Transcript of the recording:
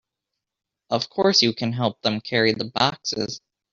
Of course, you can help them carry the boxes.